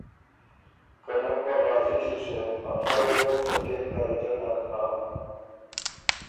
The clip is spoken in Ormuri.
که نک بَۀ غازي سُو سېم افا يې ګۀ څه کېم درجۀ نک هۀ۔